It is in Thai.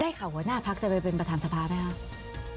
ข่าวหัวหน้าพักจะไปเป็นประธานสภาไหมครับ